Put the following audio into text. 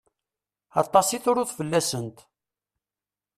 Aṭas i truḍ fell-asent.